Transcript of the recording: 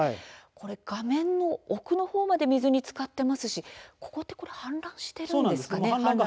画面の奥まで水につかっていますしここは氾濫しています。